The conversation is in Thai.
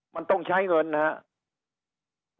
มันต้องใช้เงินนะครับ